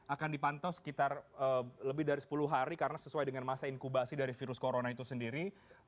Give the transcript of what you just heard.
akan dipantau sekitar lebih dari sepuluh hari karena sesuai dengan masa inkubasi dari virus corona itu sendiri